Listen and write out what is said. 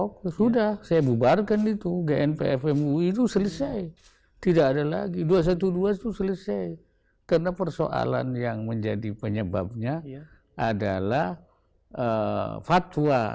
karena persoalan yang menjadi penyebabnya adalah fatwa